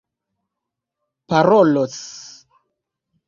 parolos